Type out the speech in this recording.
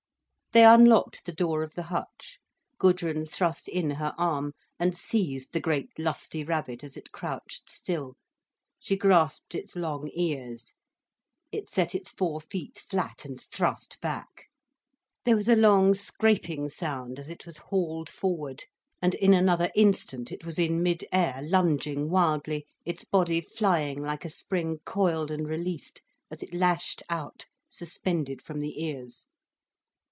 They unlocked the door of the hutch. Gudrun thrust in her arm and seized the great, lusty rabbit as it crouched still, she grasped its long ears. It set its four feet flat, and thrust back. There was a long scraping sound as it was hauled forward, and in another instant it was in mid air, lunging wildly, its body flying like a spring coiled and released, as it lashed out, suspended from the ears.